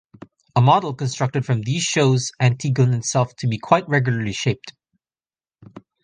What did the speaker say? A model constructed from these shows Antigone itself to be quite regularly shaped.